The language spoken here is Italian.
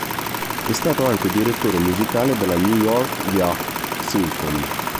È stato anche direttore musicale della New York Youth Symphony.